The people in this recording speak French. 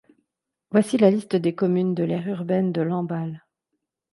Voici la liste des communes de l'aire urbaine de Lamballe.